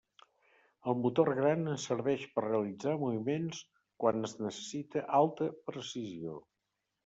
El motor gran ens serveix per realitzar moviments quan es necessita alta precisió.